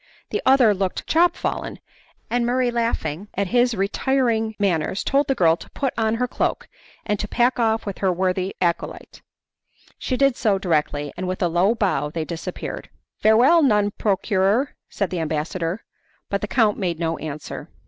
The other looked chop fallen, and Murray laughing at his retiring manners told the girl to put on her cloak and to pack off with her worthy acolyte. She did so directly, and with a low bow they disappeared. "Farewell, nun procurer!" said the ambassador, but the count made no answer.